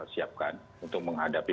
siapkan untuk menghadapi